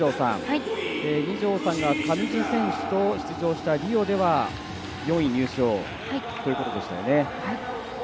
二條さんが上地選手と出場したリオでは４位入賞ということでしたよね。